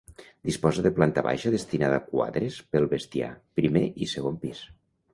Disposa de planta baixa destinada a quadres pel bestiar, primer i segon pis.